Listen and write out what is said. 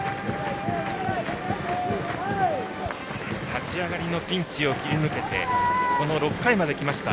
立ち上がりのピンチを切り抜けてこの６回まできました